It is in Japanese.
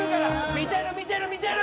見てる見てる見てる！